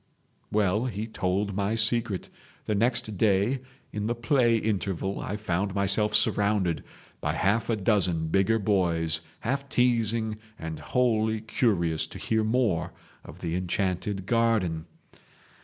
"Well, he told my secret. The next day in the play interval I found myself surrounded by half a dozen bigger boys, half teasing and wholly curious to hear more of the enchanted garden.